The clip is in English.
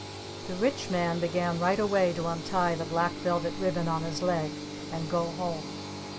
The Rich Man began right away to untie the black velvet ribbon on his leg, and go home!